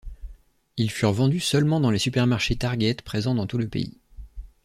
Ils furent vendus seulement dans les supermarchés Target présents dans tout le pays.